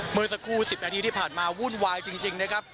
เมื่อสักครู่๑๐นาทีที่ผ่านมาวุ่นวายจริงนะครับ